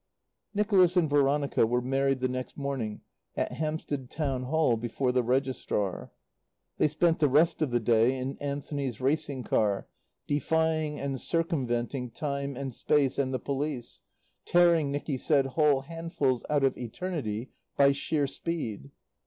Nicholas and Veronica were married the next morning at Hampstead Town Hall, before the Registrar. They spent the rest of the day in Anthony's racing car, defying and circumventing time and space and the police, tearing, Nicky said, whole handfuls out of eternity by sheer speed.